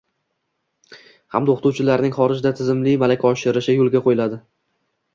hamda o‘qituvchilarning xorijda tizimli malaka oshirishi yo‘lga qo‘yiladi.